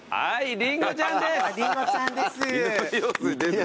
りんごちゃんです。